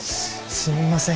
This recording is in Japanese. すみません